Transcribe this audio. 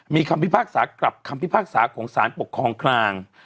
มีคำพิพากษากลับคำพิพากษาของสารปกครองกลาง